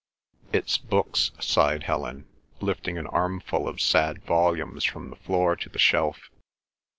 "It's books," sighed Helen, lifting an armful of sad volumes from the floor to the shelf.